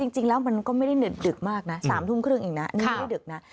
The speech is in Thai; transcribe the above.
จริงแล้วมันก็ไม่ได้ดึกมากนะ๓ทุ่มครึ่งเองนะนี่ไม่ได้ดึกนะ